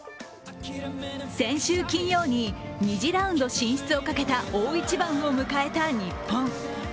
先週金曜に、２次ラウンド進出をかけた、大一番を迎えた日本。